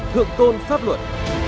thượng tôn pháp luật